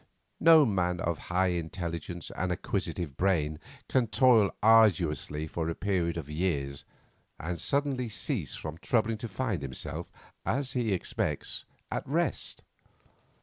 No man of high intelligence and acquisitive brain can toil arduously for a period of years and suddenly cease from troubling to find himself, as he expects, at rest.